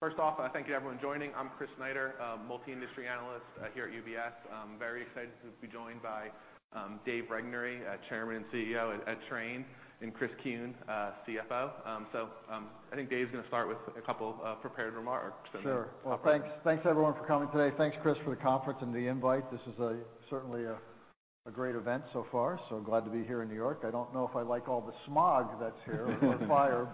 First off, thank you to everyone joining. I'm Chris Snyder, multi-industry analyst, here at UBS. Very excited to be joined by Dave Regnery, Chairman and CEO at Trane, and Chris Kuehn, CFO. I think Dave's gonna start with a couple prepared remarks. Sure. Thanks, everyone, for coming today. Thanks, Chris, for the conference and the invite. This is certainly a great event so far, so glad to be here in New York. I do not know if I like all the smog that is here or the fire,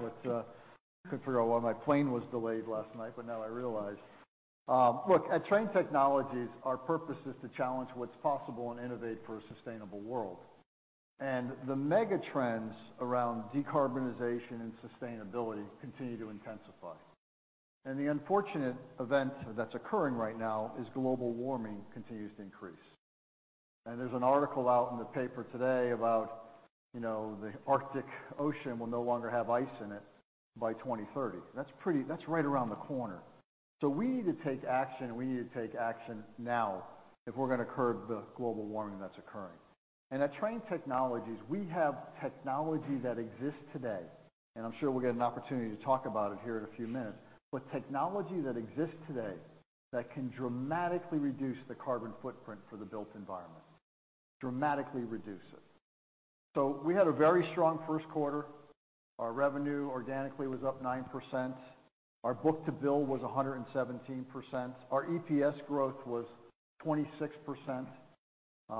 but could not figure out why my plane was delayed last night, but now I realize. Look, at Trane Technologies, our purpose is to challenge what is possible and innovate for a sustainable world. The mega trends around decarbonization and sustainability continue to intensify. The unfortunate event that is occurring right now is global warming continues to increase. There is an article out in the paper today about, you know, the Arctic Ocean will no longer have ice in it by 2030. That is pretty—that is right around the corner. We need to take action, and we need to take action now if we're gonna curb the global warming that's occurring. At Trane Technologies, we have technology that exists today, and I'm sure we'll get an opportunity to talk about it here in a few minutes, but technology that exists today that can dramatically reduce the carbon footprint for the built environment, dramatically reduce it. We had a very strong first quarter. Our revenue organically was up 9%. Our book to bill was 117%. Our EPS growth was 26%.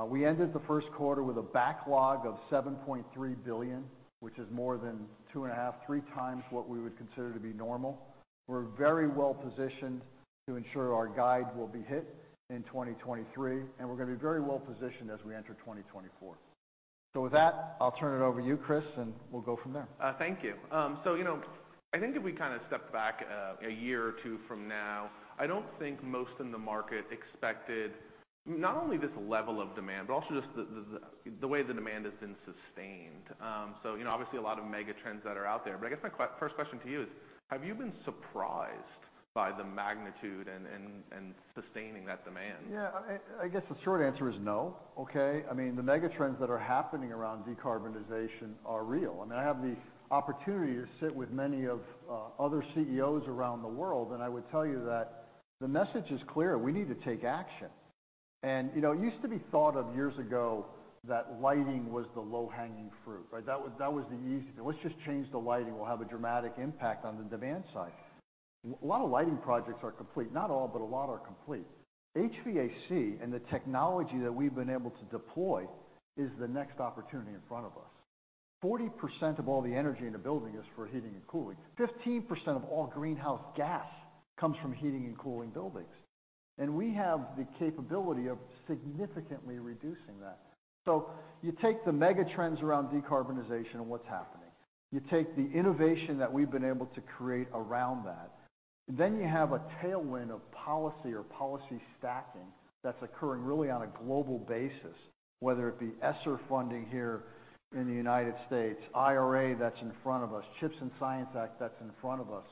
We ended the first quarter with a backlog of $7.3 billion, which is more than two and a half, three times what we would consider to be normal. We're very well positioned to ensure our guide will be hit in 2023, and we're gonna be very well positioned as we enter 2024. With that, I'll turn it over to you, Chris, and we'll go from there. Thank you. So, you know, I think if we kind of step back, a year or two from now, I do not think most in the market expected not only this level of demand, but also just the way the demand has been sustained. So, you know, obviously, a lot of mega trends that are out there. But I guess my first question to you is, have you been surprised by the magnitude and sustaining that demand? Yeah. I guess the short answer is no. Okay? I mean, the mega trends that are happening around decarbonization are real. I mean, I have the opportunity to sit with many of, other CEOs around the world, and I would tell you that the message is clear. We need to take action. You know, it used to be thought of years ago that lighting was the low-hanging fruit, right? That was—that was the easy thing. Let's just change the lighting. We'll have a dramatic impact on the demand side. A lot of lighting projects are complete—not all, but a lot are complete. HVAC and the technology that we've been able to deploy is the next opportunity in front of us. 40% of all the energy in a building is for heating and cooling. 15% of all greenhouse gas comes from heating and cooling buildings. We have the capability of significantly reducing that. You take the mega trends around decarbonization and what is happening. You take the innovation that we have been able to create around that. Then you have a tailwind of policy or policy stacking that is occurring really on a global basis, whether it be ESSER funding here in the United States, IRA that is in front of us, CHIPS and Science Act that is in front of us,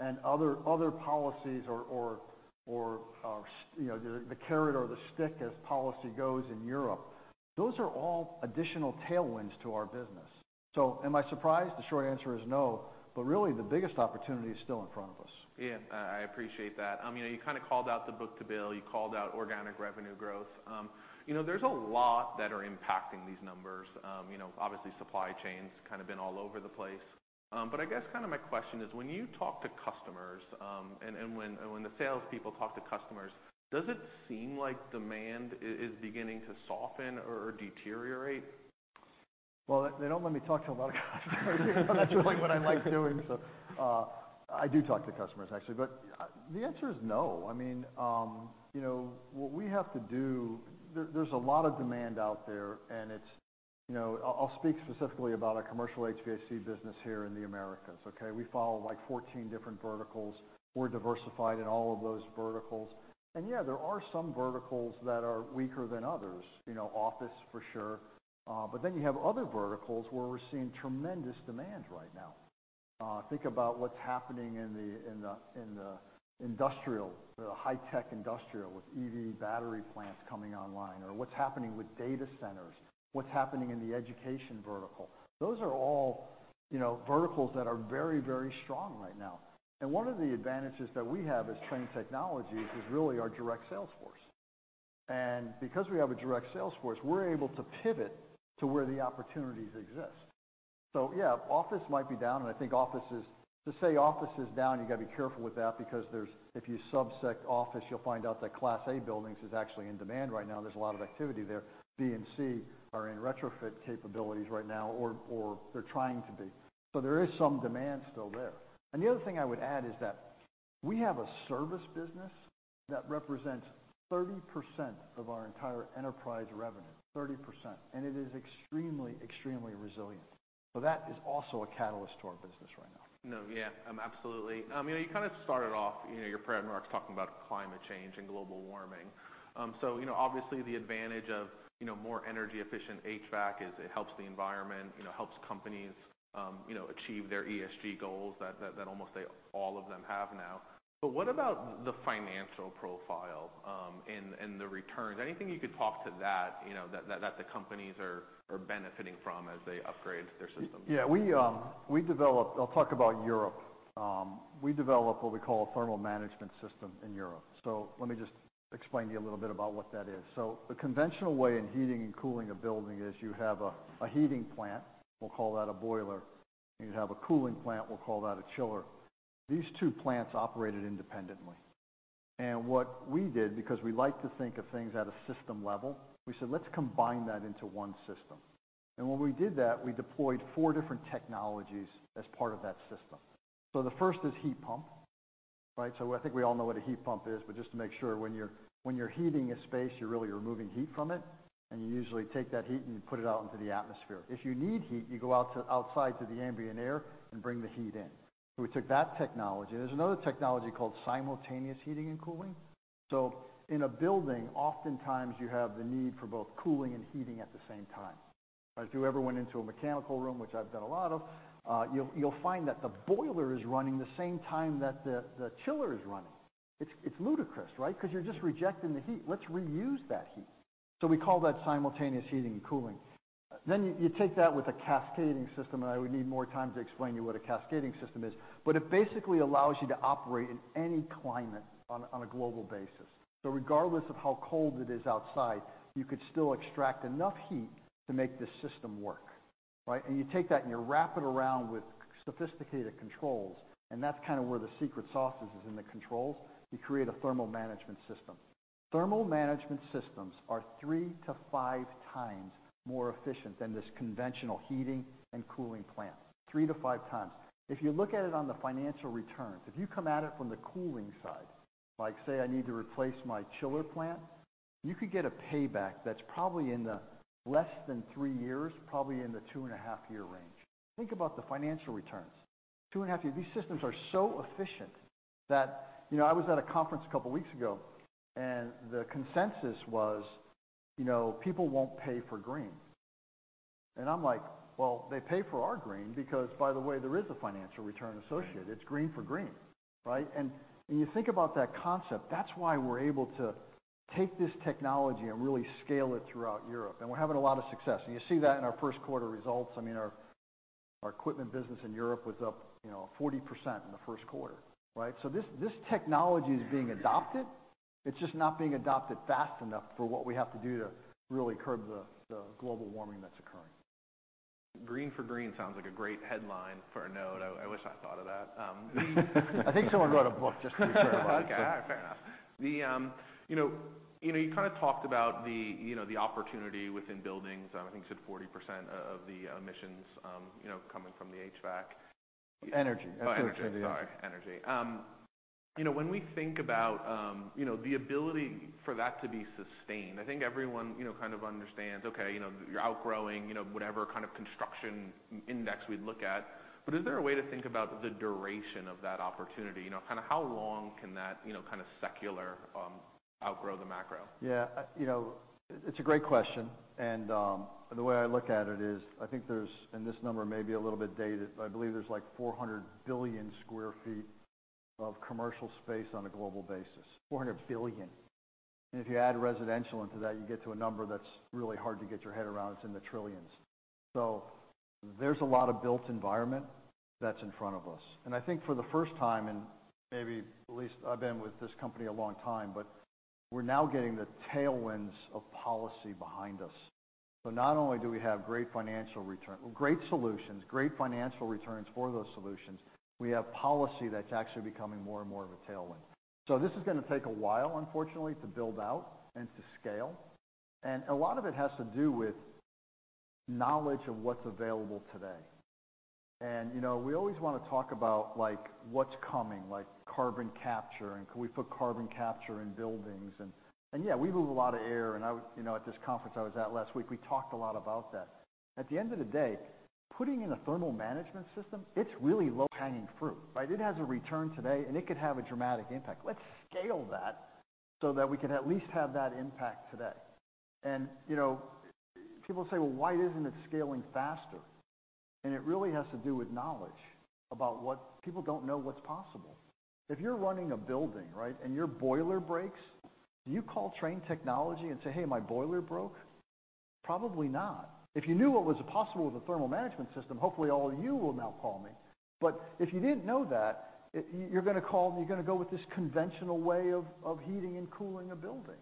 and other, other policies or, or, you know, the carrot or the stick as policy goes in Europe. Those are all additional tailwinds to our business. Am I surprised? The short answer is no. Really, the biggest opportunity is still in front of us. Yeah. I appreciate that. You know, you kinda called out the book to bill. You called out organic revenue growth. You know, there's a lot that are impacting these numbers. You know, obviously, supply chain's kinda been all over the place. I guess kinda my question is, when you talk to customers, and when the salespeople talk to customers, does it seem like demand is beginning to soften or deteriorate? They do not let me talk to a lot of customers. That is really what I like doing, so I do talk to customers, actually. The answer is no. I mean, you know, what we have to do, there is a lot of demand out there, and it is, you know, I will speak specifically about our commercial HVAC business here in the Americas. Okay? We follow 14 different verticals. We are diversified in all of those verticals. Yeah, there are some verticals that are weaker than others, you know, office for sure, but then you have other verticals where we are seeing tremendous demand right now. Think about what is happening in the industrial, the high-tech industrial with EV battery plants coming online, or what is happening with data centers, what is happening in the education vertical. Those are all, you know, verticals that are very, very strong right now. One of the advantages that we have as Trane Technologies is really our direct sales force. Because we have a direct sales force, we're able to pivot to where the opportunities exist. Yeah, office might be down, and I think office is—to say office is down, you gotta be careful with that because there's—if you subsect office, you'll find out that Class A buildings is actually in demand right now. There's a lot of activity there. B and C are in retrofit capabilities right now, or, or they're trying to be. There is some demand still there. The other thing I would add is that we have a service business that represents 30% of our entire enterprise revenue, 30%. It is extremely, extremely resilient. That is also a catalyst to our business right now. No. Yeah, absolutely. You know, you kinda started off, you know, your premarks talking about climate change and global warming. So, you know, obviously, the advantage of, you know, more energy-efficient HVAC is it helps the environment, you know, helps companies, you know, achieve their ESG goals that almost all of them have now. But what about the financial profile, and the returns? Anything you could talk to that, you know, that the companies are benefiting from as they upgrade their systems? Yeah. We develop—I'll talk about Europe. We develop what we call a thermal management system in Europe. Let me just explain to you a little bit about what that is. The conventional way in heating and cooling a building is you have a heating plant. We'll call that a boiler. You'd have a cooling plant. We'll call that a chiller. These two plants operated independently. What we did, because we like to think of things at a system level, we said, "Let's combine that into one system." When we did that, we deployed four different technologies as part of that system. The first is heat pump, right? I think we all know what a heat pump is, but just to make sure, when you're heating a space, you're really removing heat from it, and you usually take that heat and you put it out into the atmosphere. If you need heat, you go out to outside to the ambient air and bring the heat in. We took that technology. There's another technology called simultaneous heating and cooling. In a building, oftentimes, you have the need for both cooling and heating at the same time. If you ever went into a mechanical room, which I've done a lot of, you'll find that the boiler is running the same time that the chiller is running. It's ludicrous, right? 'Cause you're just rejecting the heat. Let's reuse that heat. We call that simultaneous heating and cooling. You take that with a cascading system, and I would need more time to explain to you what a cascading system is. It basically allows you to operate in any climate on a global basis. Regardless of how cold it is outside, you could still extract enough heat to make this system work, right? You take that and you wrap it around with sophisticated controls, and that's kinda where the secret sauce is, is in the controls. You create a thermal management system. Thermal management systems are three to five times more efficient than this conventional heating and cooling plant. Three to five times. If you look at it on the financial returns, if you come at it from the cooling side, like, say, I need to replace my chiller plant, you could get a payback that's probably in the less than three years, probably in the two and a half year range. Think about the financial returns. Two and a half year, these systems are so efficient that, you know, I was at a conference a couple weeks ago, and the consensus was, you know, people won't pay for green. I'm like, "Well, they pay for our green because, by the way, there is a financial return associated. It's green for green," right? You think about that concept. That's why we're able to take this technology and really scale it throughout Europe. We're having a lot of success. You see that in our first quarter results. I mean, our equipment business in Europe was up, you know, 40% in the first quarter, right? This technology is being adopted. It's just not being adopted fast enough for what we have to do to really curb the global warming that's occurring. Green for green sounds like a great headline for a note. I wish I thought of that. I think someone wrote a book just recently about it. Okay. All right. Fair enough. You know, you kinda talked about the, you know, the opportunity within buildings. I think you said 40% of the emissions, you know, coming from the HVAC. Energy. Oh, energy. Sorry. Energy. You know, when we think about, you know, the ability for that to be sustained, I think everyone, you know, kind of understands, okay, you know, you're outgrowing, you know, whatever kind of construction index we'd look at. Is there a way to think about the duration of that opportunity? You know, kinda how long can that, you know, kinda secular, outgrow the macro? Yeah. You know, it's a great question. The way I look at it is, I think there's—and this number may be a little bit dated—but I believe there's like 400 billion sq ft of commercial space on a global basis. 400 billion. If you add residential into that, you get to a number that's really hard to get your head around. It's in the trillions. There's a lot of built environment that's in front of us. I think for the first time in maybe at least I've been with this company a long time, we're now getting the tailwinds of policy behind us. Not only do we have great financial return—great solutions, great financial returns for those solutions—we have policy that's actually becoming more and more of a tailwind. This is gonna take a while, unfortunately, to build out and to scale. A lot of it has to do with knowledge of what's available today. You know, we always wanna talk about, like, what's coming, like carbon capture, and can we put carbon capture in buildings? Yeah, we move a lot of air. I, you know, at this conference I was at last week, we talked a lot about that. At the end of the day, putting in a thermal management system, it's really low-hanging fruit, right? It has a return today, and it could have a dramatic impact. Let's scale that so that we could at least have that impact today. You know, people say, "Why isn't it scaling faster?" It really has to do with knowledge about what people don't know what's possible. If you're running a building, right, and your boiler breaks, do you call Trane Technologies and say, "Hey, my boiler broke"? Probably not. If you knew what was possible with a thermal management system, hopefully, all of you will now call me. If you did not know that, you're gonna call, and you're gonna go with this conventional way of heating and cooling a building.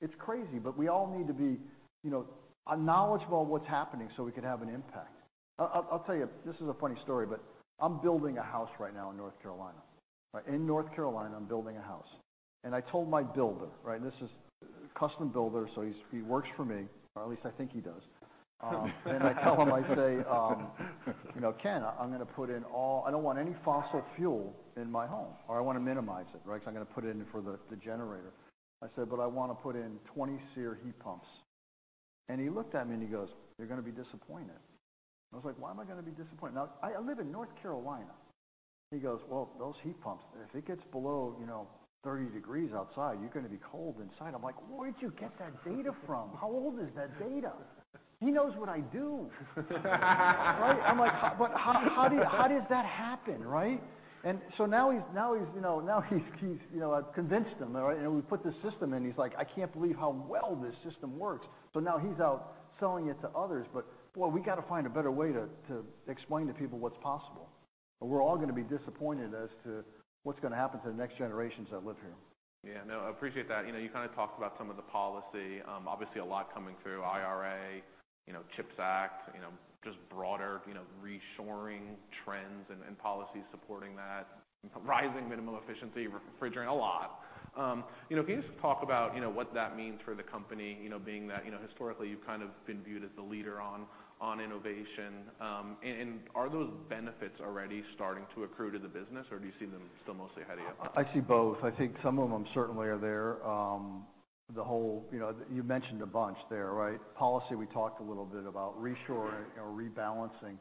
It's crazy. We all need to be, you know, knowledgeable of what's happening so we could have an impact. I'll tell you. This is a funny story, but I'm building a house right now in North Carolina, right? In North Carolina, I'm building a house. I told my builder, right? This is a custom builder, so he works for me, or at least I think he does. And I tell him, I say, you know, "Ken, I'm gonna put in all—I don't want any fossil fuel in my home," or, "I wanna minimize it," right? 'Cause I'm gonna put it in for the generator. I said, "But I wanna put in 20 SEER heat pumps." And he looked at me, and he goes, "You're gonna be disappointed." I was like, "Why am I gonna be disappointed?" Now, I live in North Carolina. He goes, "Those heat pumps, if it gets below, you know, 30 degrees outside, you're gonna be cold inside." I'm like, "Where'd you get that data from? How old is that data?" He knows what I do, right? I'm like, "How, but how, how do you—how does that happen?" Right? And so now he's, now he's, you know, now he's—he's, you know, I've convinced him, right? We put the system in. He's like, "I can't believe how well this system works." Now he's out selling it to others. We gotta find a better way to explain to people what's possible. We're all gonna be disappointed as to what's gonna happen to the next generations that live here. Yeah. No. I appreciate that. You know, you kinda talked about some of the policy. Obviously, a lot coming through IRA, you know, CHIPS Act, you know, just broader, you know, reshoring trends and, and policies supporting that, rising minimum efficiency, refrigerant, a lot. You know, can you just talk about, you know, what that means for the company, you know, being that, you know, historically, you've kind of been viewed as the leader on, on innovation? And, and are those benefits already starting to accrue to the business, or do you see them still mostly heading up? I see both. I think some of them certainly are there. The whole, you know, you mentioned a bunch there, right? Policy, we talked a little bit about reshoring or rebalancing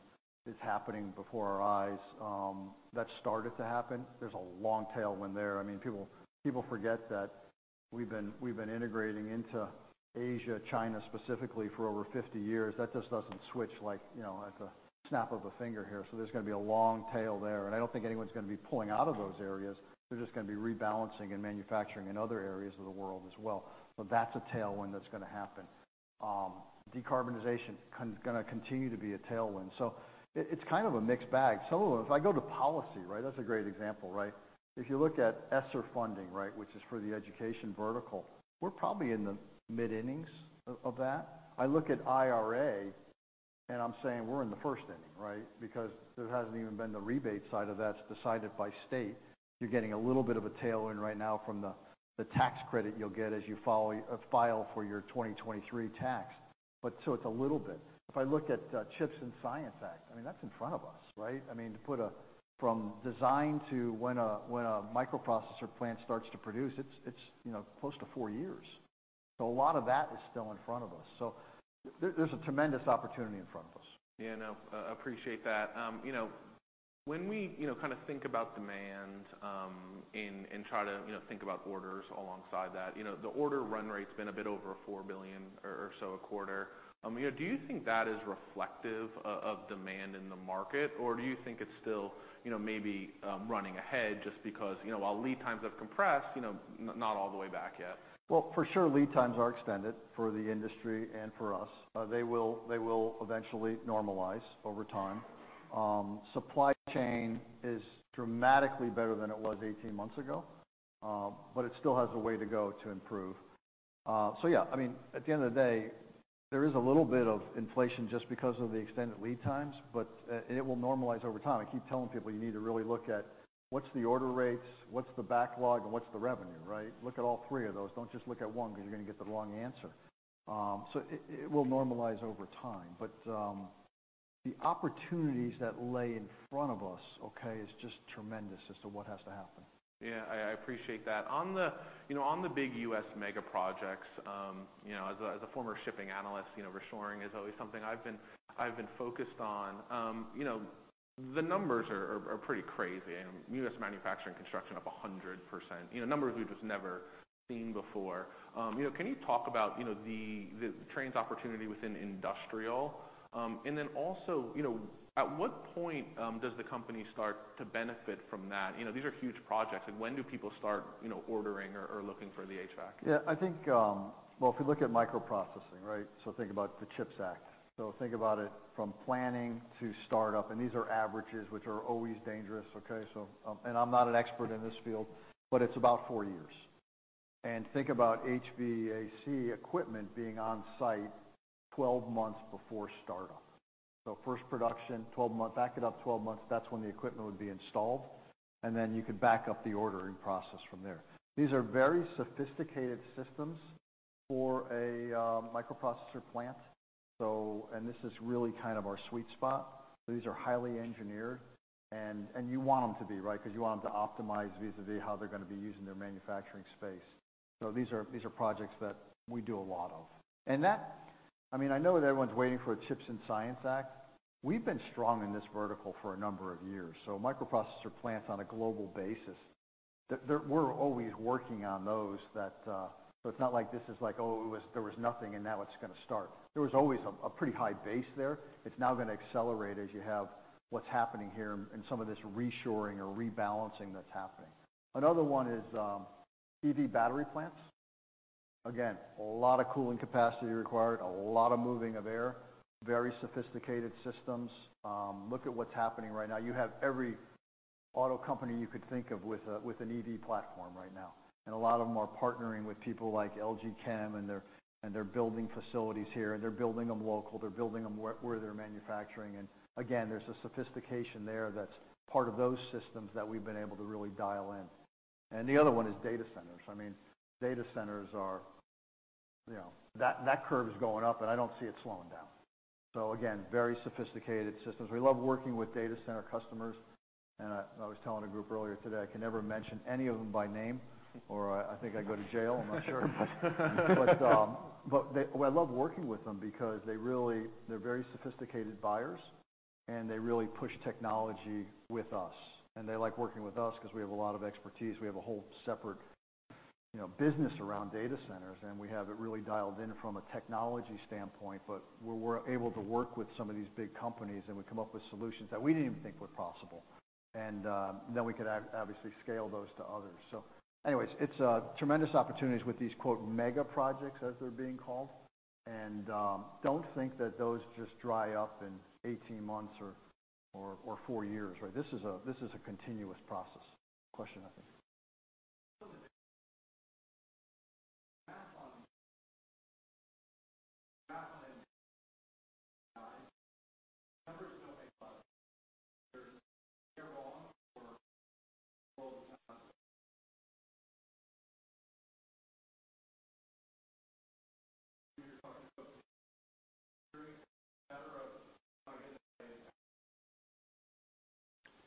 is happening before our eyes. That started to happen. There is a long tailwind there. I mean, people forget that we have been integrating into Asia, China specifically, for over 50 years. That just does not switch, like, you know, at the snap of a finger here. There is going to be a long tail there. I do not think anyone is going to be pulling out of those areas. They are just going to be rebalancing and manufacturing in other areas of the world as well. That is a tailwind that is going to happen. Decarbonization is going to continue to be a tailwind. It is kind of a mixed bag. Some of them, if I go to policy, right? That's a great example, right? If you look at ESSER funding, right, which is for the education vertical, we're probably in the mid-innings of that. I look at IRA, and I'm saying we're in the first inning, right? Because there hasn't even been the rebate side of that decided by state. You're getting a little bit of a tailwind right now from the tax credit you'll get as you file your 2023 tax. It's a little bit. If I look at CHIPS and Science Act, I mean, that's in front of us, right? I mean, to put a, from design to when a microprocessor plant starts to produce, it's, you know, close to four years. A lot of that is still in front of us. There is a tremendous opportunity in front of us. Yeah. No. I appreciate that. You know, when we, you know, kinda think about demand, and, and try to, you know, think about orders alongside that, you know, the order run rate's been a bit over $4 billion or, or so a quarter. You know, do you think that is reflective of demand in the market, or do you think it's still, you know, maybe, running ahead just because, you know, while lead times have compressed, you know, not all the way back yet? For sure, lead times are extended for the industry and for us. They will eventually normalize over time. Supply chain is dramatically better than it was 18 months ago, but it still has a way to go to improve. Yeah. I mean, at the end of the day, there is a little bit of inflation just because of the extended lead times, but it will normalize over time. I keep telling people, "You need to really look at what's the order rates, what's the backlog, and what's the revenue," right? Look at all three of those. Don't just look at one 'cause you're gonna get the wrong answer. It will normalize over time. The opportunities that lay in front of us, okay, is just tremendous as to what has to happen. Yeah. I appreciate that. On the, you know, on the big U.S. mega projects, you know, as a former shipping analyst, you know, reshoring is always something I've been focused on. The numbers are pretty crazy. U.S. manufacturing and construction up 100%. Numbers we've just never seen before. You know, can you talk about the Trane's opportunity within industrial? And then also, at what point does the company start to benefit from that? You know, these are huge projects. When do people start ordering or looking for the HVAC? Yeah. I think, if you look at microprocessing, right, so think about the CHIPS Act. Think about it from planning to startup. These are averages, which are always dangerous, okay? I'm not an expert in this field, but it's about four years. Think about HVAC equipment being on site 12 months before startup. First production, 12 months, back it up 12 months. That's when the equipment would be installed. Then you could back up the ordering process from there. These are very sophisticated systems for a microprocessor plant. This is really kind of our sweet spot. These are highly engineered. You want them to be, right? 'Cause you want them to optimize vis-à-vis how they're gonna be using their manufacturing space. These are projects that we do a lot of. I mean, I know that everyone's waiting for a CHIPS and Science Act. We've been strong in this vertical for a number of years. Microprocessor plants on a global basis, there, we're always working on those, so it's not like this is like, "Oh, there was nothing, and now it's gonna start." There was always a pretty high base there. It's now gonna accelerate as you have what's happening here and some of this reshoring or rebalancing that's happening. Another one is EV battery plants. Again, a lot of cooling capacity required, a lot of moving of air, very sophisticated systems. Look at what's happening right now. You have every auto company you could think of with an EV platform right now. A lot of them are partnering with people like LG Chem and their building facilities here. They are building them local. They are building them where they are manufacturing. There is a sophistication there that is part of those systems that we have been able to really dial in. The other one is data centers. I mean, data centers are, you know, that curve is going up, and I do not see it slowing down. Very sophisticated systems. We love working with data center customers. I was telling a group earlier today, I can never mention any of them by name, or I think I go to jail. I am not sure. I love working with them because they are very sophisticated buyers, and they really push technology with us. They like working with us 'cause we have a lot of expertise. We have a whole separate, you know, business around data centers, and we have it really dialed in from a technology standpoint. We're able to work with some of these big companies, and we come up with solutions that we did not even think were possible. Then we could absolutely scale those to others. Anyways, it is a tremendous opportunity with these quote mega projects, as they are being called. Do not think that those just dry up in 18 months or 4 years, right? This is a continuous process. Question, I think.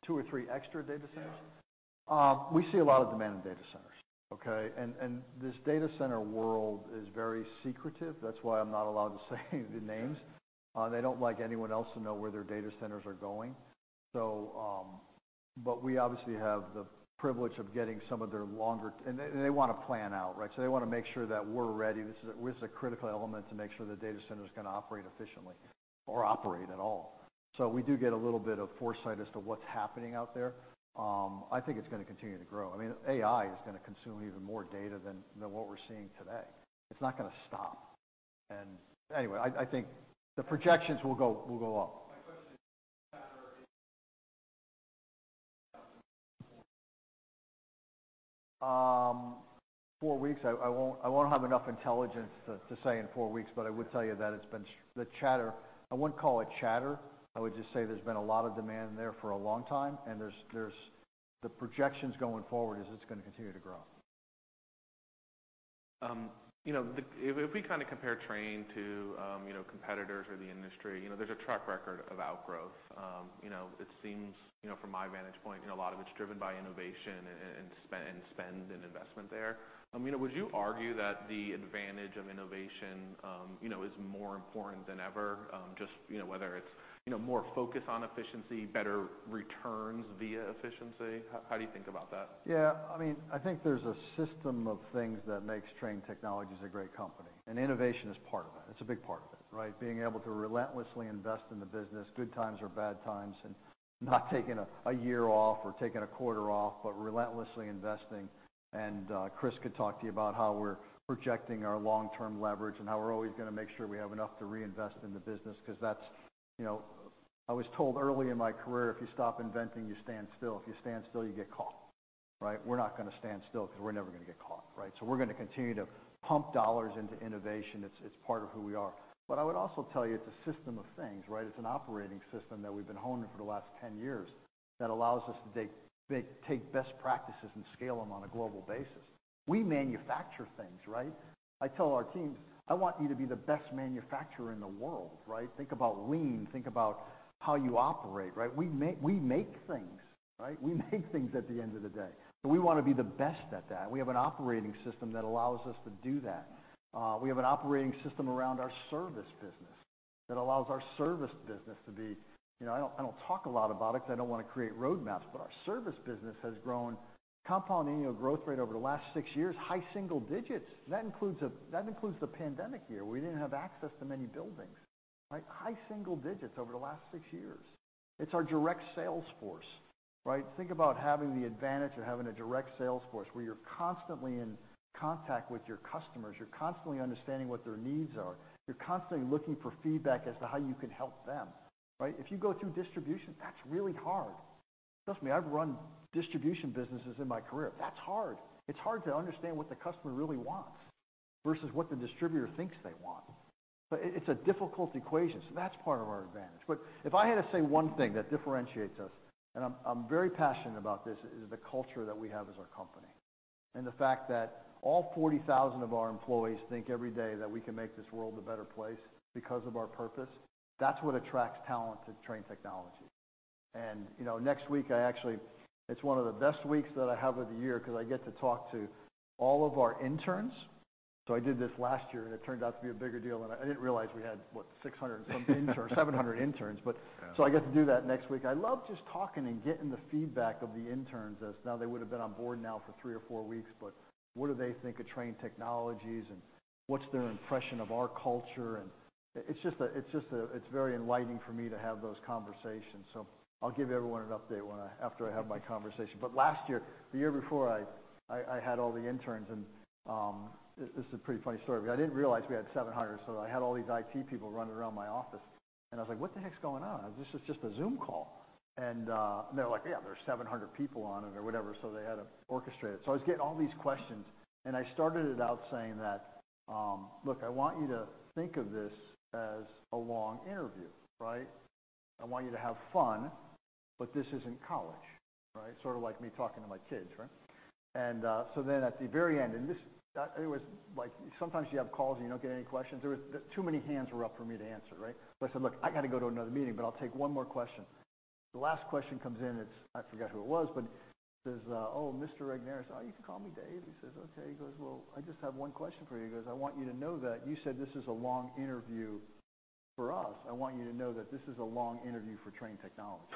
Two or three extra data centers? We see a lot of demand in data centers, okay? This data center world is very secretive. That is why I am not allowed to say the names. do not like anyone else to know where their data centers are going. We obviously have the privilege of getting some of their longer, and they want to plan out, right? They want to make sure that we are ready. This is a critical element to make sure the data center is going to operate efficiently or operate at all. We do get a little bit of foresight as to what is happening out there. I think it is going to continue to grow. I mean, AI is going to consume even more data than what we are seeing today. It is not going to stop. Anyway, I think the projections will go up. Four weeks. I will not have enough intelligence to say in four weeks, but I would tell you that it has been the chatter. I would not call it chatter. I would just say there's been a lot of demand there for a long time, and the projections going forward is it's gonna continue to grow. You know, if we kinda compare Trane to competitors or the industry, you know, there's a track record of outgrowth. You know, it seems, you know, from my vantage point, a lot of it's driven by innovation and spend, and investment there. You know, would you argue that the advantage of innovation is more important than ever, just, you know, whether it's more focus on efficiency, better returns via efficiency? How do you think about that? Yeah. I mean, I think there's a system of things that makes Trane Technologies a great company. And innovation is part of that. It's a big part of it, right? Being able to relentlessly invest in the business, good times or bad times, and not taking a year off or taking a quarter off, but relentlessly investing. Chris could talk to you about how we're projecting our long-term leverage and how we're always gonna make sure we have enough to reinvest in the business 'cause that's, you know, I was told early in my career, if you stop inventing, you stand still. If you stand still, you get caught, right? We're not gonna stand still 'cause we're never gonna get caught, right? We are gonna continue to pump dollars into innovation. It's part of who we are. I would also tell you it's a system of things, right? It's an operating system that we've been honing for the last 10 years that allows us to take best practices and scale them on a global basis. We manufacture things, right? I tell our teams, "I want you to be the best manufacturer in the world," right? Think about lean. Think about how you operate, right? We make things, right? We make things at the end of the day. So we wanna be the best at that. We have an operating system that allows us to do that. We have an operating system around our service business that allows our service business to be, you know, I do not talk a lot about it 'cause I do not want to create roadmaps, but our service business has grown compound annual growth rate over the last six years, high single digits. That includes the pandemic year. We did not have access to many buildings, right? High single digits over the last six years. It is our direct sales force, right? Think about having the advantage of having a direct sales force where you are constantly in contact with your customers. You are constantly understanding what their needs are. You are constantly looking for feedback as to how you can help them, right? If you go through distribution, that is really hard. Trust me, I have run distribution businesses in my career. That is hard. It's hard to understand what the customer really wants versus what the distributor thinks they want. It is a difficult equation. That is part of our advantage. If I had to say one thing that differentiates us, and I am very passionate about this, it is the culture that we have as our company. The fact that all 40,000 of our employees think every day that we can make this world a better place because of our purpose, that is what attracts talent to Trane Technologies. You know, next week, I actually, it is one of the best weeks that I have of the year because I get to talk to all of our interns. I did this last year, and it turned out to be a bigger deal than I realized. We had, what, 600 and some interns, 700 interns. Yeah. I get to do that next week. I love just talking and getting the feedback of the interns as now they would've been on board now for three or four weeks, but what do they think of Trane Technologies and what's their impression of our culture? It's just a, it's just a, it's very enlightening for me to have those conversations. I'll give everyone an update after I have my conversation. Last year, the year before, I had all the interns, and this is a pretty funny story, but I didn't realize we had 700. I had all these IT people running around my office, and I was like, "What the heck's going on? This is just a Zoom call." They're like, "Yeah, there's 700 people on it," or whatever. They had to orchestrate it. I was getting all these questions, and I started it out saying that, "Look, I want you to think of this as a long interview, right? I want you to have fun, but this isn't college," right? Sort of like me talking to my kids, right? At the very end, and this, it was like sometimes you have calls and you do not get any questions. There was, too many hands were up for me to answer, right? I said, "Look, I gotta go to another meeting, but I'll take one more question." The last question comes in, it's, I forget who it was, but it says, "Oh, Mr. is, "Oh, you can call me Dave." He says, "Okay." He goes, "Well, I just have one question for you." He goes, "I want you to know that you said this is a long interview for us. I want you to know that this is a long interview for Trane Technologies.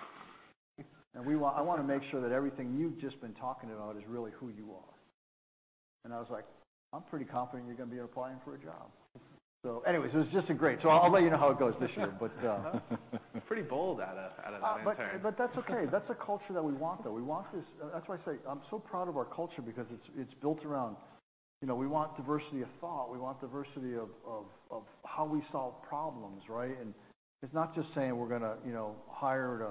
And we want, I wanna make sure that everything you've just been talking about is really who you are." And I was like, "I'm pretty confident you're gonna be applying for a job." It was just a great, so I'll let you know how it goes this year. Pretty bold out of that intern. But that's okay. That's a culture that we want, though. We want this, that's why I say I'm so proud of our culture because it's built around, you know, we want diversity of thought. We want diversity of how we solve problems, right? It's not just saying we're gonna, you know, hire to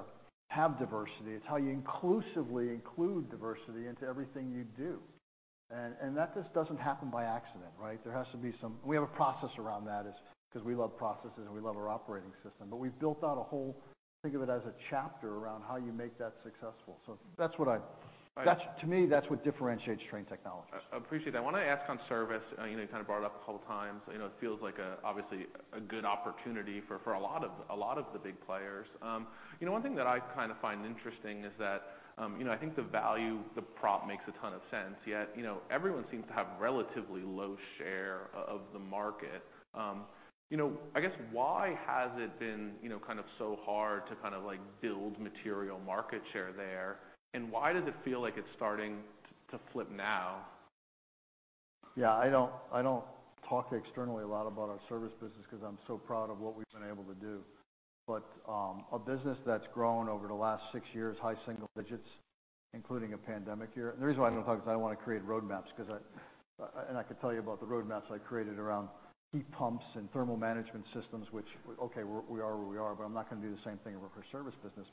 have diversity. It's how you inclusively include diversity into everything you do. That just doesn't happen by accident, right? There has to be some, we have a process around that as 'cause we love processes and we love our operating system. We've built out a whole, think of it as a chapter around how you make that successful. To me, that's what differentiates Trane Technologies. I appreciate that. I wanna ask on service, you know, you kinda brought it up a couple times. You know, it feels like, obviously, a good opportunity for a lot of the big players. You know, one thing that I kinda find interesting is that, you know, I think the value, the prop makes a ton of sense. Yet, you know, everyone seems to have relatively low share of the market. You know, I guess why has it been, you know, kind of so hard to kind of like build material market share there? Why does it feel like it's starting to flip now? Yeah. I don't, I don't talk externally a lot about our service business 'cause I'm so proud of what we've been able to do. A business that's grown over the last six years, high single digits, including a pandemic year. The reason why I'm gonna talk is I don't wanna create roadmaps 'cause I, and I could tell you about the roadmaps I created around heat pumps and thermal management systems, which, okay, we're, we are where we are, but I'm not gonna do the same thing over for service business.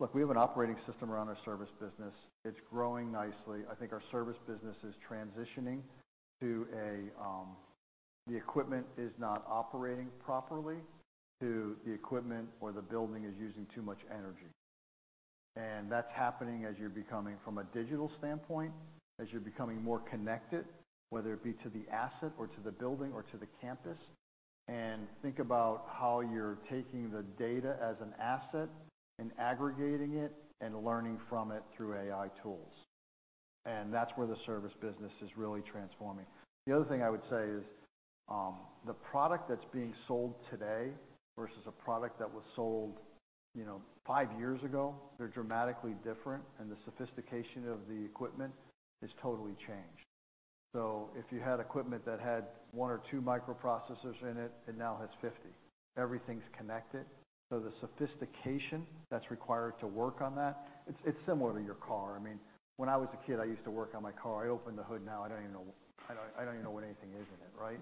Look, we have an operating system around our service business. It's growing nicely. I think our service business is transitioning to a, the equipment is not operating properly to the equipment or the building is using too much energy. That is happening as you're becoming, from a digital standpoint, as you're becoming more connected, whether it be to the asset or to the building or to the campus. Think about how you're taking the data as an asset and aggregating it and learning from it through AI tools. That is where the service business is really transforming. The other thing I would say is, the product that's being sold today versus a product that was sold, you know, five years ago, they're dramatically different, and the sophistication of the equipment has totally changed. If you had equipment that had one or two microprocessors in it, it now has 50. Everything's connected. The sophistication that's required to work on that, it's similar to your car. I mean, when I was a kid, I used to work on my car. I opened the hood. Now I don't even know, I don't, I don't even know what anything is in it, right?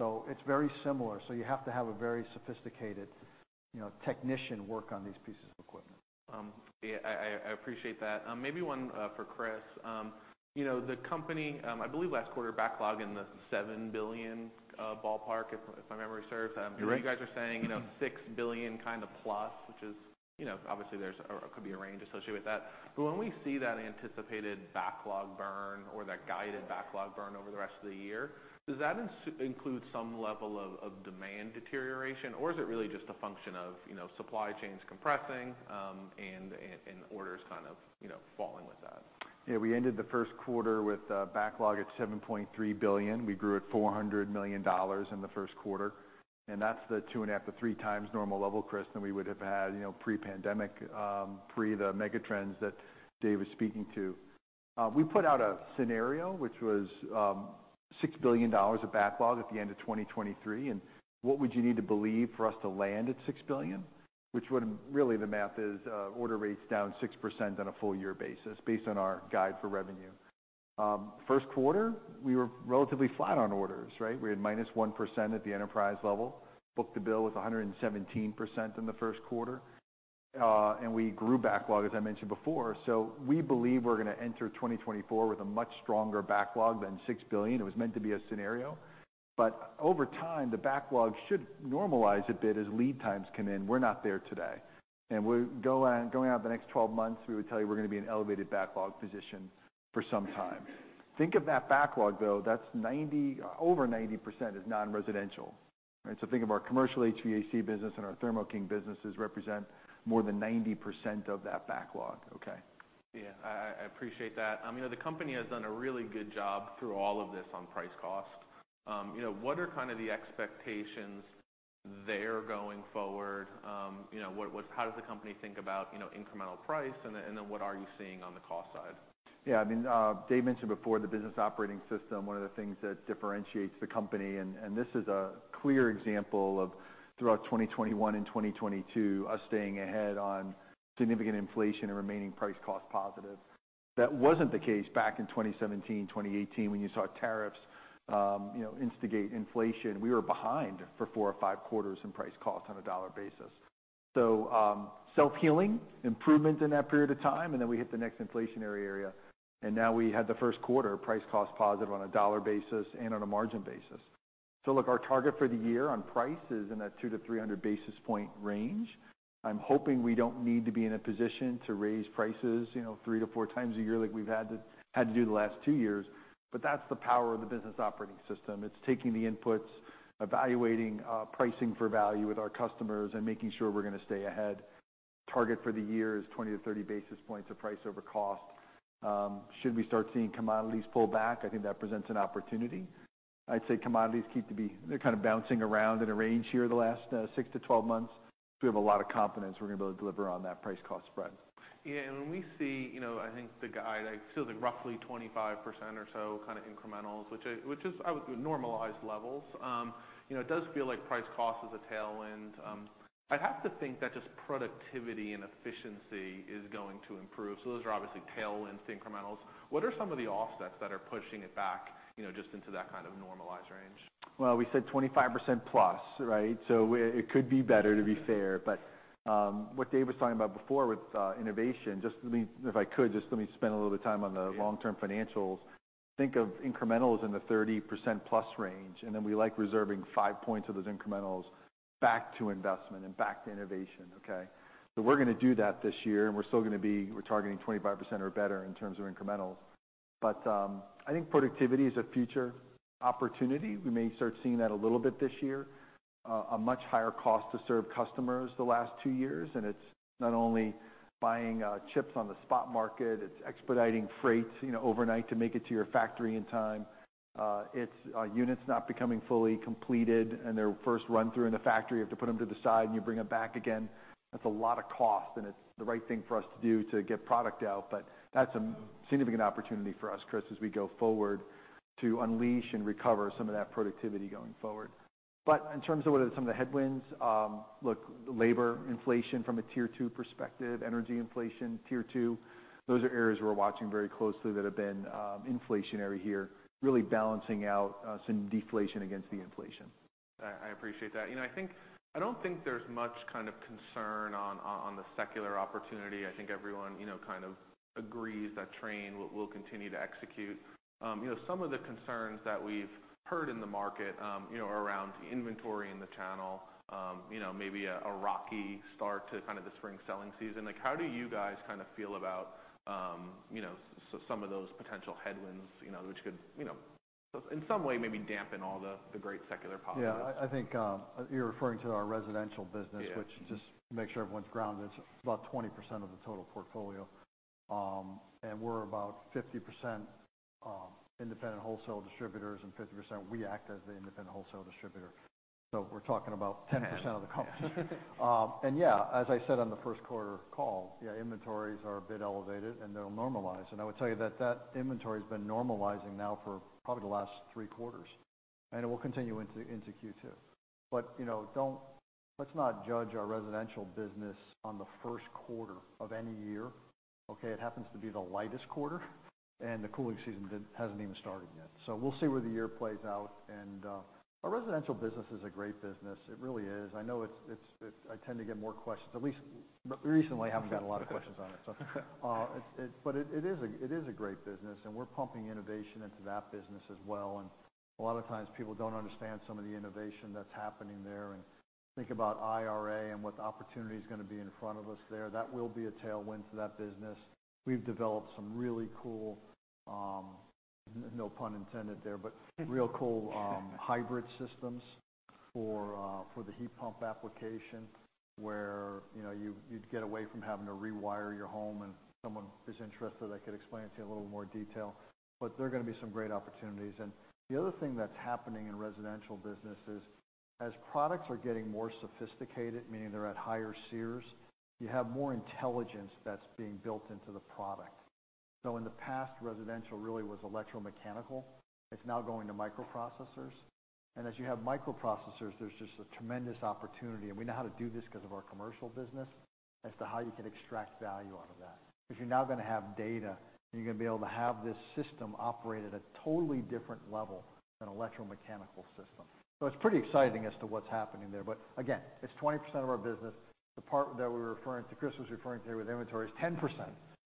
It is very similar. You have to have a very sophisticated, you know, technician work on these pieces of equipment. Yeah, I appreciate that. Maybe one for Chris. You know, the company, I believe last quarter backlog in the $7 billion ballpark, if my memory serves. You're right. You guys are saying, you know, $6 billion kinda plus, which is, you know, obviously there's a, could be a range associated with that. When we see that anticipated backlog burn or that guided backlog burn over the rest of the year, does that include some level of demand deterioration, or is it really just a function of, you know, supply chains compressing, and orders kind of, you know, falling with that? Yeah. We ended the first quarter with a backlog at $7.3 billion. We grew at $400 million in the first quarter. And that's the two and a half to three times normal level, Chris, than we would've had, you know, pre-pandemic, pre the megatrends that Dave was speaking to. We put out a scenario, which was, $6 billion of backlog at the end of 2023. And what would you need to believe for us to land at $6 billion, which would've really, the math is, order rates down 6% on a full year basis based on our guide for revenue. First quarter, we were relatively flat on orders, right? We had minus 1% at the enterprise level. Book to bill was 117% in the first quarter. And we grew backlog, as I mentioned before. So we believe we're gonna enter 2024 with a much stronger backlog than $6 billion. It was meant to be a scenario. Over time, the backlog should normalize a bit as lead times come in. We're not there today. Going out the next 12 months, we would tell you we're gonna be in an elevated backlog position for some time. Think of that backlog, though. That's over 90% non-residential, right? Think of our commercial HVAC business and our Thermo King businesses represent more than 90% of that backlog, okay? Yeah. I appreciate that. You know, the company has done a really good job through all of this on price cost. You know, what are kind of the expectations there going forward? You know, what, how does the company think about, you know, incremental price, and then what are you seeing on the cost side? Yeah. I mean, Dave mentioned before the business operating system, one of the things that differentiates the company, and this is a clear example of throughout 2021 and 2022, us staying ahead on significant inflation and remaining price cost positive. That was not the case back in 2017, 2018 when you saw tariffs, you know, instigate inflation. We were behind for four or five quarters in price cost on a dollar basis. So, self-healing, improvement in that period of time, and then we hit the next inflationary area. Now we had the first quarter price cost positive on a dollar basis and on a margin basis. Look, our target for the year on price is in that 2-300 basis point range. I'm hoping we don't need to be in a position to raise prices, you know, three to four times a year like we've had to do the last two years. But that's the power of the business operating system. It's taking the inputs, evaluating, pricing for value with our customers and making sure we're gonna stay ahead. Target for the year is 20-30 basis points of price over cost. Should we start seeing commodities pull back, I think that presents an opportunity. I'd say commodities keep to be, they're kinda bouncing around in a range here the last 6-12 months. We have a lot of confidence we're gonna be able to deliver on that price cost spread. Yeah. And when we see, you know, I think the guide, I feel like roughly 25% or so kinda incrementals, which is, I would normalize levels. You know, it does feel like price cost is a tailwind. I'd have to think that just productivity and efficiency is going to improve. So those are obviously tailwinds, the incrementals. What are some of the offsets that are pushing it back, you know, just into that kind of normalized range? We said 25% plus, right? It could be better, to be fair. What Dave was talking about before with innovation, just let me, if I could, just let me spend a little bit of time on the long-term financials. Think of incrementals in the 30% plus range, and then we like reserving 5 points of those incrementals back to investment and back to innovation, okay? We are gonna do that this year, and we are still gonna be, we are targeting 25% or better in terms of incrementals. I think productivity is a future opportunity. We may start seeing that a little bit this year. A much higher cost to serve customers the last two years, and it is not only buying chips on the spot market, it is expediting freight, you know, overnight to make it to your factory in time. It's units not becoming fully completed, and their first run-through in the factory, you have to put them to the side and you bring them back again. That's a lot of cost, and it's the right thing for us to do to get product out. That's a significant opportunity for us, Chris, as we go forward to unleash and recover some of that productivity going forward. In terms of what are some of the headwinds, look, labor inflation from a tier two perspective, energy inflation, tier two, those are areas we're watching very closely that have been inflationary here, really balancing out some deflation against the inflation. I appreciate that. You know, I think, I do not think there is much kind of concern on the secular opportunity. I think everyone, you know, kind of agrees that Trane will continue to execute. You know, some of the concerns that we have heard in the market, you know, around inventory in the channel, you know, maybe a rocky start to kind of the spring selling season. Like, how do you guys kind of feel about, you know, some of those potential headwinds, you know, which could, you know, in some way maybe dampen all the great secular positives? Yeah. I think you're referring to our residential business. Yeah. Which just makes sure everyone's grounded. It's about 20% of the total portfolio, and we're about 50% independent wholesale distributors and 50% we act as the independent wholesale distributor. So we're talking about 10% of the company. Yeah, as I said on the first quarter call, inventories are a bit elevated and they'll normalize. I would tell you that that inventory has been normalizing now for probably the last three quarters, and it will continue into Q2. You know, let's not judge our residential business on the first quarter of any year, okay? It happens to be the lightest quarter, and the cooling season hasn't even started yet. We'll see where the year plays out. Our residential business is a great business. It really is. I know I tend to get more questions. At least recently, I haven't gotten a lot of questions on it. It is a great business, and we're pumping innovation into that business as well. A lot of times people don't understand some of the innovation that's happening there. Think about IRA and what the opportunity's gonna be in front of us there. That will be a tailwind to that business. We've developed some really cool, no pun intended there, but real cool, hybrid systems for the heat pump application where, you know, you'd get away from having to rewire your home. If someone is interested, I could explain it to you in a little more detail. There're gonna be some great opportunities. The other thing that's happening in residential business is as products are getting more sophisticated, meaning they're at higher SEERs, you have more intelligence that's being built into the product. In the past, residential really was electromechanical. It's now going to microprocessors. As you have microprocessors, there's just a tremendous opportunity. We know how to do this 'cause of our commercial business as to how you can extract value out of that. You're now gonna have data, and you're gonna be able to have this system operate at a totally different level than an electromechanical system. It's pretty exciting as to what's happening there. Again, it's 20% of our business. The part that we were referring to, Chris was referring to with inventory, is 10%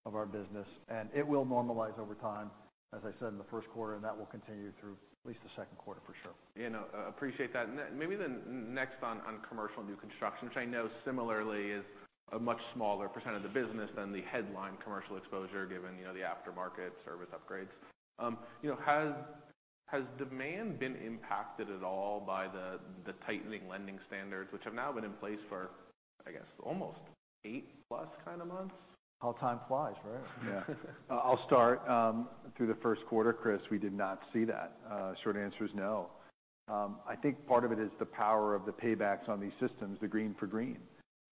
of our business, and it will normalize over time, as I said, in the first quarter, and that will continue through at least the second quarter for sure. Yeah. No, I appreciate that. Maybe next on commercial new construction, which I know similarly is a much smaller percent of the business than the headline commercial exposure given, you know, the aftermarket service upgrades. You know, has demand been impacted at all by the tightening lending standards, which have now been in place for, I guess, almost eight-plus months? How time flies, right? Yeah. I'll start. Through the first quarter, Chris, we did not see that. Short answer is no. I think part of it is the power of the paybacks on these systems, the green for green,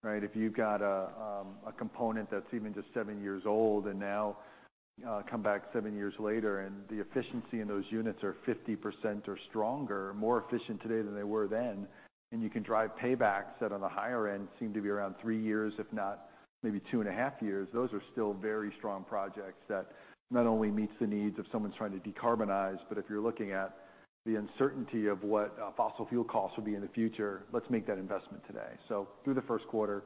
right? If you've got a component that's even just seven years old and now, come back seven years later and the efficiency in those units are 50% or stronger, more efficient today than they were then, and you can drive paybacks that on the higher end seem to be around three years, if not maybe two and a half years, those are still very strong projects that not only meets the needs of someone trying to decarbonize, but if you're looking at the uncertainty of what fossil fuel costs will be in the future, let's make that investment today. Through the first quarter,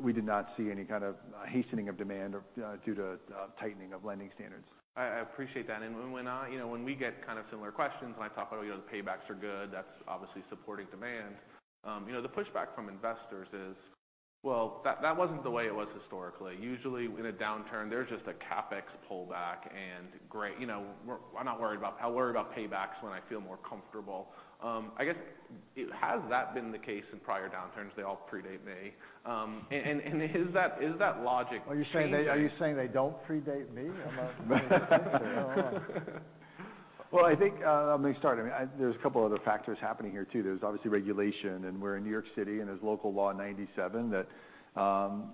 we did not see any kind of hastening of demand or, due to tightening of lending standards. I appreciate that. And when we get kind of similar questions when I talk about, you know, the paybacks are good, that's obviously supporting demand. You know, the pushback from investors is, well, that wasn't the way it was historically. Usually in a downturn, there's just a CapEx pullback and great, you know, I'm not worried about, I worry about paybacks when I feel more comfortable. I guess has that been the case in prior downturns? They all predate me. And is that logic? Are you saying they don't predate me? I'm not. I think, let me start. I mean, there's a couple other factors happening here too. There's obviously regulation, and we're in New York City, and there's local law 97 that, you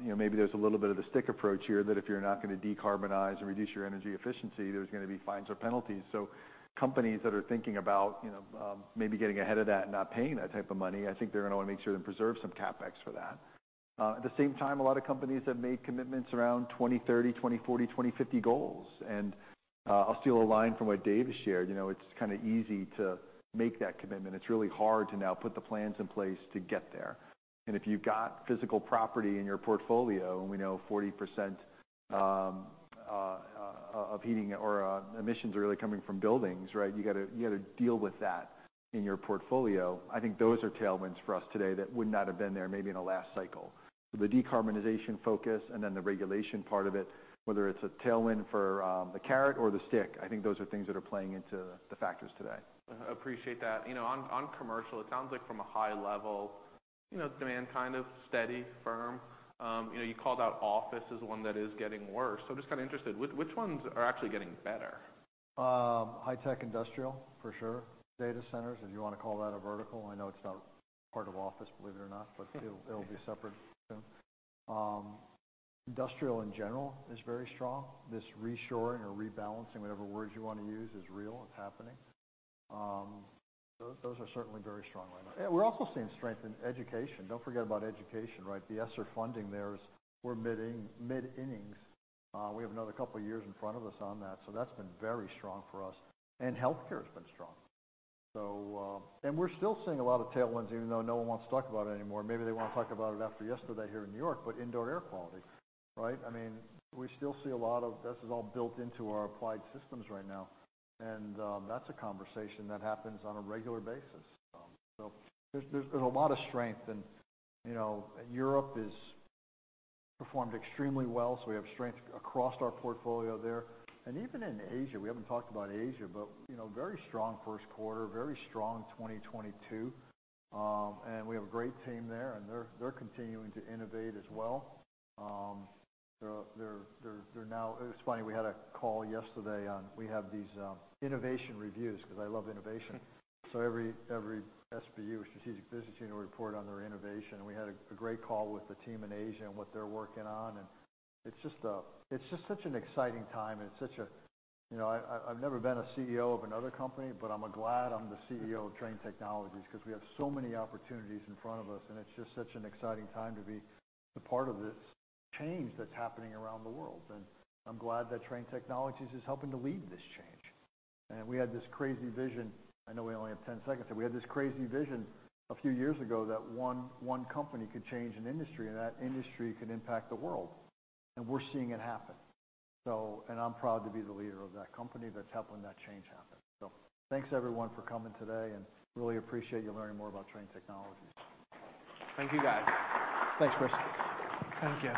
know, maybe there's a little bit of the stick approach here that if you're not gonna decarbonize and reduce your energy efficiency, there's gonna be fines or penalties. Companies that are thinking about, you know, maybe getting ahead of that and not paying that type of money, I think they're gonna wanna make sure they preserve some CapEx for that. At the same time, a lot of companies have made commitments around 2030, 2040, 2050 goals. I'll steal a line from what Dave has shared. You know, it's kinda easy to make that commitment. It's really hard to now put the plans in place to get there. If you've got physical property in your portfolio, and we know 40% of heating or emissions are really coming from buildings, right? You gotta deal with that in your portfolio. I think those are tailwinds for us today that would not have been there maybe in the last cycle. The decarbonization focus and then the regulation part of it, whether it's a tailwind for the carrot or the stick, I think those are things that are playing into the factors today. I appreciate that. You know, on commercial, it sounds like from a high level, you know, demand kind of steady firm. You know, you called out office as one that is getting worse. I'm just kinda interested, which ones are actually getting better? High-tech industrial for sure. Data centers, if you wanna call that a vertical. I know it's not part of office, believe it or not, but it'll be separate soon. Industrial in general is very strong. This reshoring or rebalancing, whatever words you wanna use, is real. It's happening. Those are certainly very strong right now. We're also seeing strength in education. Don't forget about education, right? The ESSER funding there, we're mid-inning, mid-innings. We have another couple years in front of us on that. That's been very strong for us. Healthcare has been strong. We're still seeing a lot of tailwinds, even though no one wants to talk about it anymore. Maybe they wanna talk about it after yesterday here in New York, but indoor air quality, right? I mean, we still see a lot of, this is all built into our applied systems right now. That is a conversation that happens on a regular basis. There is a lot of strength. You know, Europe has performed extremely well. We have strength across our portfolio there. Even in Asia, we have not talked about Asia, but, you know, very strong first quarter, very strong 2022. We have a great team there, and they are continuing to innovate as well. They are now, it is funny, we had a call yesterday on, we have these innovation reviews because I love innovation. Every SBU, Strategic Business Unit, will report on their innovation. We had a great call with the team in Asia and what they are working on. It's just such an exciting time, and it's such a, you know, I, I've never been a CEO of another company, but I'm glad I'm the CEO of Trane Technologies 'cause we have so many opportunities in front of us. It's just such an exciting time to be a part of this change that's happening around the world. I'm glad that Trane Technologies is helping to lead this change. We had this crazy vision. I know we only have 10 seconds here. We had this crazy vision a few years ago that one company could change an industry, and that industry could impact the world. We're seeing it happen. I'm proud to be the leader of that company that's helping that change happen. Thanks, everyone, for coming today, and really appreciate you learning more about Trane Technologies. Thank you, guys. Thanks, Chris. Thank you.